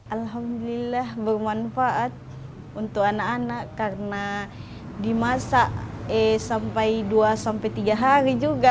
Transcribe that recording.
alhamdulillah bermanfaat untuk anak anak karena dimasak sampai dua tiga hari juga